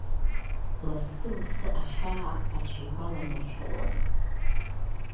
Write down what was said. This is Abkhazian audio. Лассы-лассы ахьаа аҽигәаланаршәалон.